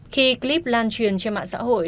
khi clip lan truyền trên mạng xã hội